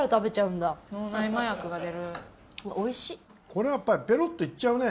これやっぱりペロッといっちゃうね。